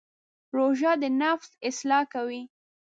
روژه د نفس اصلاح کوي.